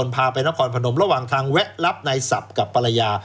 พาไปนครพนมระหว่างทางแวะรับในศัพท์กับภรรยา